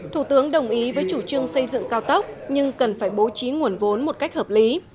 thủ tướng đồng ý với chủ trương xây dựng cao tốc nhưng cần phải bố trí nguồn vốn một cách hợp lý